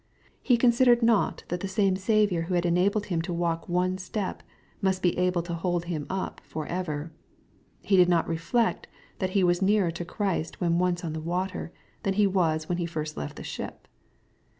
He considered not that the same Saviour who had enabled him to walk one step, must be able to hold him up for ever. He did not reflect that h was nearer to Christ When once on the water, than he was when he first left the ship.